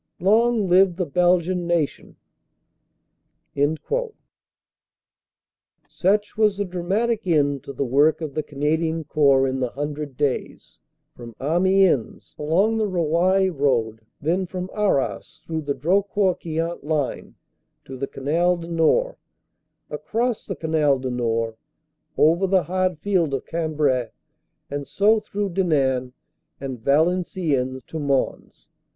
Long live the Belgian Nation!" Such was the dramatic end to the work of the Canadian Corps in the Hundred Days from Amiens along the Roye road; then from Arras through the Drocourt Queant line to the Canal du Nord; across the Canal du Nord, over the hard field of Cambrai, and so through Denain and Valenciennes to Mons.